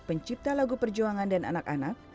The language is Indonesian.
pencipta lagu perjuangan dan anak anak